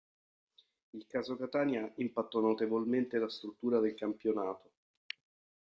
Il Caso Catania impattò notevolmente la struttura del campionato.